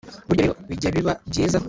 Burya rero bijya biba byiza